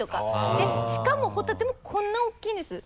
でしかもホタテもこんな大きいんです。